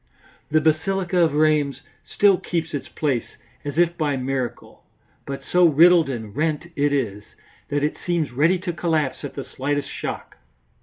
The basilica of Rheims still keeps its place as if by miracle, but so riddled and rent it is, that it seems ready to collapse at the slightest shock.